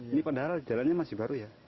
ini padahal jalannya masih baru ya